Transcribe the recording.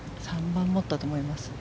３番を持ったと思います。